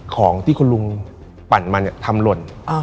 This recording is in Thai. ของที่คุณลุงปั่นมาเนี่ยทำหล่น